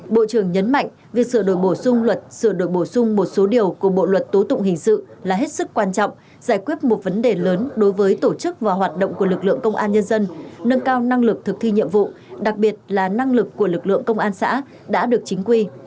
bộ trưởng nhấn mạnh việc sửa đổi bổ sung luật sửa đổi bổ sung một số điều của bộ luật tố tụng hình sự là hết sức quan trọng giải quyết một vấn đề lớn đối với tổ chức và hoạt động của lực lượng công an nhân dân nâng cao năng lực thực thi nhiệm vụ đặc biệt là năng lực của lực lượng công an xã đã được chính quy